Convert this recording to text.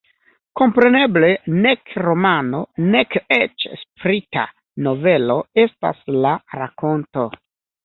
Kompreneble nek romano, nek eĉ sprita novelo estas la rakonto.